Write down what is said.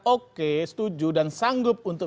oke setuju dan sanggup untuk